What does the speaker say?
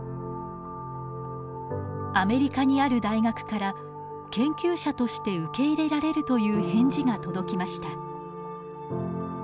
アメリカにある大学から研究者として受け入れられるという返事が届きました。